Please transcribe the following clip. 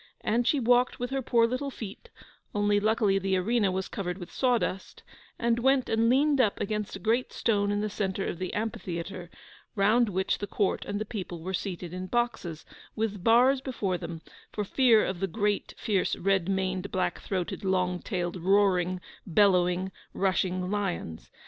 And she walked with her poor little feet (only luckily the arena was covered with sawdust), and went and leaned up against a great stone in the centre of the amphitheatre, round which the Court and the people were seated in boxes, with bars before them, for fear of the great, fierce, red maned, black throated, long tailed, roaring, bellowing, rushing lions.